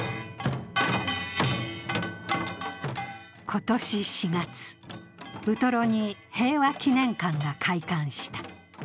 今年４月、ウトロに平和祈念館が開館した。